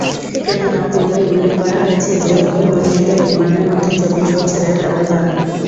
কেননা পূর্বেই উল্লেখ করা হয়েছে যে, উভয় মসজিদের নির্মাণের মধ্যে চল্লিশ বছরের ব্যবধান।